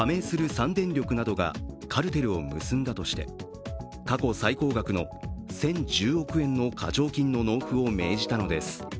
３電力などがカルテルを結んだとして過去最高額の１０１０億円の課徴金の納付を命じたのです。